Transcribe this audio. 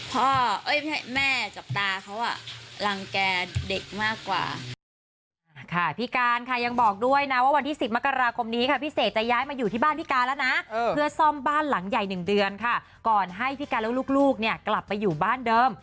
พ่อเอ้ยไม่ใช่แม่จับตาเขาอ่ะรังแกเด็กมากกว่า